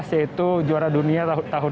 yaitu juara dunia motogp tahun dua ribu dua puluh